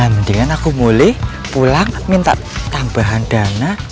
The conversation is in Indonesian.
mendingan aku boleh pulang minta tambahan dana